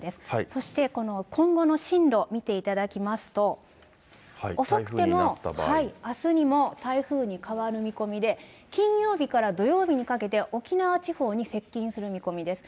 そして今後の進路見ていただきますと、遅くてもあすにも台風に変わる見込みで、金曜日から土曜日にかけて、沖縄地方に接近する見込みです。